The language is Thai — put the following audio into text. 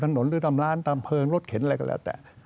หรือตามร้านตามเพลิงรถเข็นอะไรก็แล้วแต่